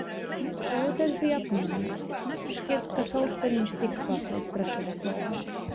Skolotājs bija apmierināts, šķiet ka Saulstariņš tiks pārcelts trešajā klasē.